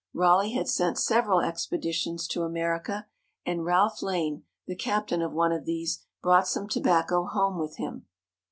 Raleigh had sent several expeditions to America, and Ralph Lane, the captain of one of these, brought some tobacco home with him.